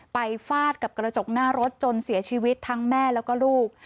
ฟาดกับกระจกหน้ารถจนเสียชีวิตทั้งแม่แล้วก็ลูก